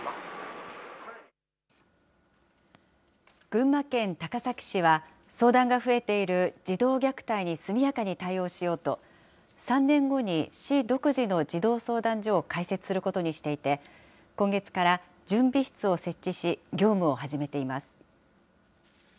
群馬県高崎市は、相談が増えている児童虐待に速やかに対応しようと、３年後に市独自の児童相談所を開設することにしていて、今月から準備室を設置し、業務を始めています。